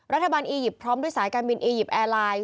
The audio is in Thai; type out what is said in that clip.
อียิปต์พร้อมด้วยสายการบินอียิปต์แอร์ไลน์